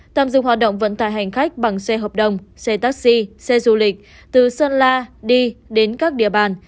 tạm dừng hoạt động vận tải hành khách bằng xe hợp đồng xe taxi xe du lịch từ sơn la đi đến các địa bàn